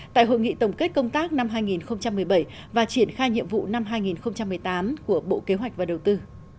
tại hội nghị tổng kết công tác năm hai nghìn một mươi bảy và triển khai nhiệm vụ năm hai nghìn một mươi tám của bộ kế hoạch và đầu tư